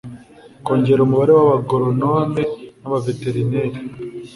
kongera umubare w'abagronome n'abaveterineri